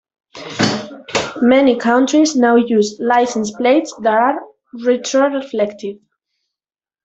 Many countries now use license plates that are retroreflective.